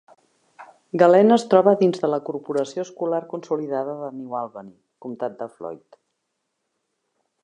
Galena es troba dins de la corporació escolar consolidada de New Albany - comtat de Floyd.